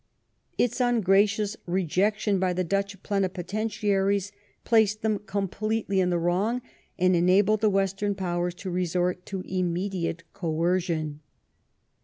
Its ungracious rejection by the Dutch Plenipotentiaries placed them completely in the wrong, and enabled the Western Powers to resort to immediate coercion.